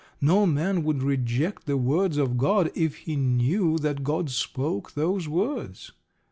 No man would reject the words of God if he knew that God spoke those words.